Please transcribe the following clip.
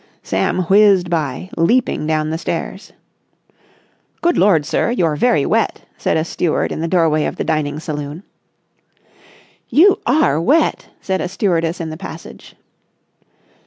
Sam whizzed by, leaping down the stairs. "Good Lord, sir! You're very wet!" said a steward in the doorway of the dining saloon. "You are wet," said a stewardess in the passage.